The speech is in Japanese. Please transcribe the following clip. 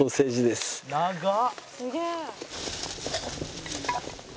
「すげえ」